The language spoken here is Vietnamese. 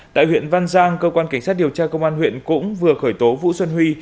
tại huyện văn giang cơ quan cảnh sát điều tra công an huyện cũng vừa khởi tố vũ xuân huy